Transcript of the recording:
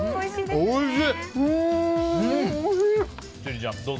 おいしい！